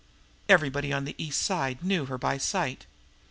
Everybody on the East Side knew her by sight.